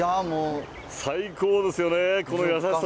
最高ですよね、この優しさ。